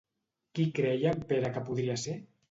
Qui creia en Pere que podria ser?